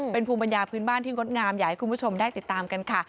เป็นภูมิปัญญาพื้นบ้านที่งดงามอยากให้คุณผู้ชมได้ติดตามกันค่ะ